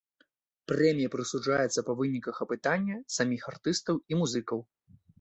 Прэмія прысуджаецца па выніках апытання саміх артыстаў і музыкаў.